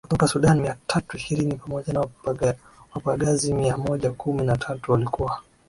kutoka Sudan mia tatu ishirini pamoja na wapagazi mia moja kumi na tatu Walikuwa